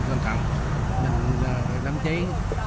đám cháy kéo dài